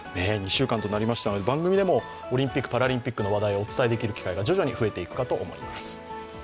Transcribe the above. ２週間となりましたが、番組でもオリンピック・パラリンピックの話題をお伝えできる機会が徐々に増えていくかと思います。